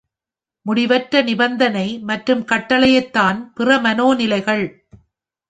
முடிவற்ற, நிபந்தனை மற்றும் கட்டளைதான் பிற மனோநிலைகள்.